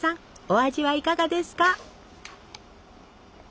お味はいかがですか？